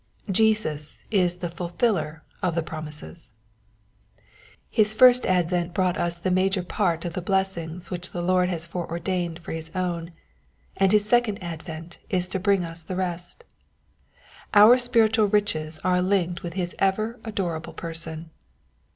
Jesus is the Fulfiller of the promises. His first Advent brought us the major part of the blessings which the Lord has foreordained for his own, and his second Advent is to bring us the rest. Our spiritual riches are linked with his ever adorable person.